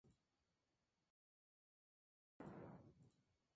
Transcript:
La nueva población no fue asimilada por completo.